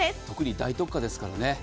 特に大特価ですからね。